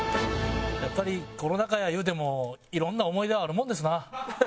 やっぱりコロナ禍やいうてもいろんな思い出はあるもんですな。